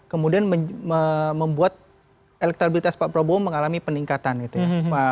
kemudian membuat elektabilitas pak prabowo mengalami peningkatan gitu ya